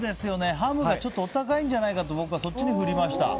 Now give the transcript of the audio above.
ハムがお高いんじゃないかと僕はそっちに振りました。